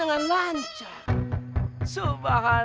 emangnya aneh dadar